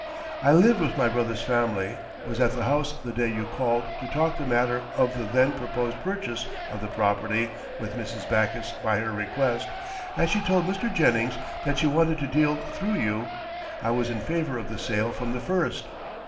I lived with my brother's family, was at the house the day you called to talk the matter of the then proposed purchase of the property with Mrs. Backus by her request, as she told Mr. Jennings that she wanted to deal through you. I was in favour of the sale from the first.